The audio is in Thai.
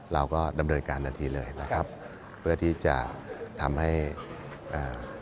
เราก็ดำเนินการทันทีเลยนะครับเพื่อที่จะทำให้อ่า